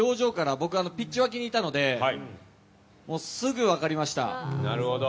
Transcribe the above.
僕、ピッチ脇にいたのですぐに分かりましたね。